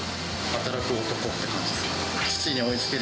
働く男って感じですか。